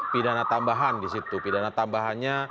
pidana tambahan di situ pidana tambahannya